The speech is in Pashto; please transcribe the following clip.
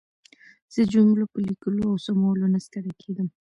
زه د جملو په لیکلو او سمولو نه ستړې کېدم.